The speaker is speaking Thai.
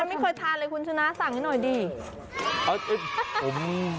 ไม่เคยทานเลยคุณชนะสั่งให้หน่อยดิ